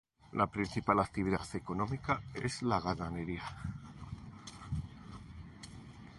La principal actividad económica es la ganadería.